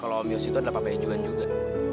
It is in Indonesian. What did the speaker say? kalau om yos itu adalah pakejuan juga